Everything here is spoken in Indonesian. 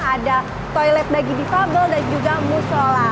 ada toilet bagi difabel dan juga musola